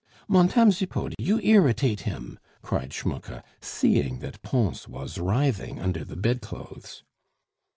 "Montame Zipod, you irritate him!" cried Schmucke, seeing that Pons was writhing under the bedclothes.